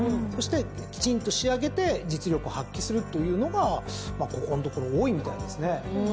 そしてきちんと仕上げて実力を発揮するというのがここのところ多いみたいですね。